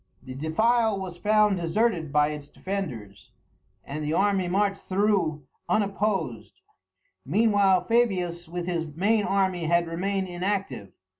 The defile was found deserted by its defenders, and the army marched through unopposed. Meanwhile Fabius with his main army had remained inactive.